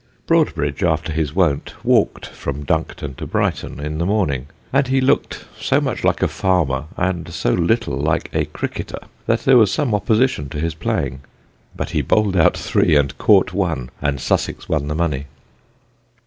Broadbridge, after his wont, walked from Duncton to Brighton in the morning, and he looked so much like a farmer and so little like a cricketer that there was some opposition to his playing. But he bowled out three and caught one and Sussex won the money.